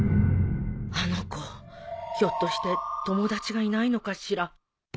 あの子ひょっとして友達がいないのかしら